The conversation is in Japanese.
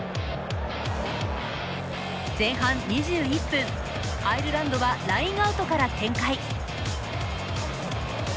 前半２１分、アイルランドはラインアウトから展開。